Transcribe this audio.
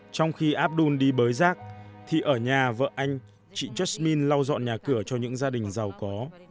trong khi abdul đi bới rác thì ở nhà vợ anh chị justine lau dọn nhà cửa cho những gia đình giàu có